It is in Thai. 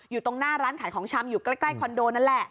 อยู่ตรงหน้าร้านขายของชำอยู่ใกล้คอนโดนั่นแหละ